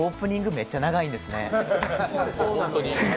めっちゃ長いんですね。